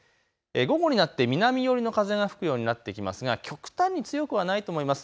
午後になって南寄りの風が吹くようになってきますが極端に強くはないと思います。